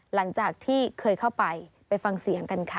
หลังจากที่เคยเข้าไปไปฟังเสียงกันค่ะ